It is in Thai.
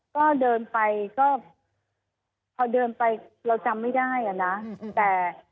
ก็เดินไปก็พอเดินไปเราจำไม่ได้อ่ะนะแต่